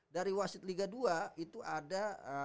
dari wasit liga dua itu ada